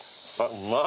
うまい。